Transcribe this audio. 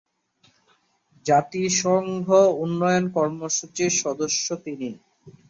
জাতিসংঘ উন্নয়ন কর্মসূচীর সদস্য তিনি।